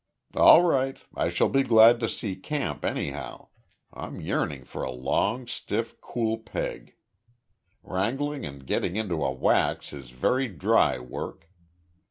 "All right. I shall be glad to see camp anyhow. I'm yearning for a long, stiff, cool peg. Wrangling and getting into a wax is very dry work.